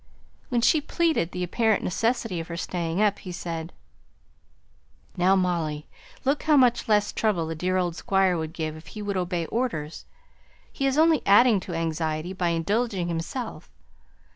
When she pleaded the apparent necessity of her staying up, he said, "Now, Molly, look how much less trouble the dear old Squire would give if he would obey orders. He is only adding to anxiety by indulging himself.